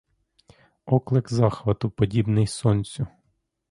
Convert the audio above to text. Оклик захвату, подібний сонцю.